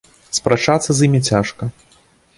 Спрачацца з імі цяжка.